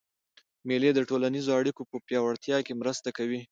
مېلې د ټولنیزو اړیکو په پیاوړتیا کښي مرسته کوي.